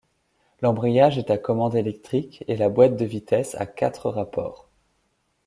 L'embrayage est à commande électrique, et la boîte de vitesses à quatre rapports.